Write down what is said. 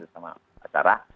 sama pak sarah